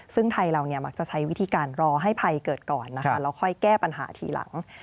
ซึ่งไทยเรามักจะใช้วิธีการรอให้ภัยเกิดก่อนนะคะแล้วค่อยแก้ปัญหาทีหลัง